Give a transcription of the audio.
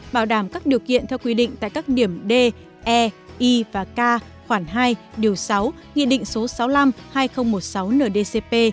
bảo đảm các điều kiện theo quy định tại các điểm d e y và k khoảng hai điều sáu nghị định số sáu mươi năm hai nghìn một mươi sáu ndcp